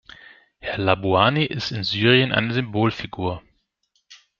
Herr Labouani ist in Syrien eine Symbolfigur.